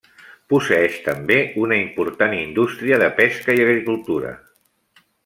Posseeix també una important indústria de pesca i agricultura.